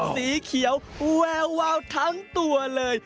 สีเขียวแวววาวทั้งตัวเลย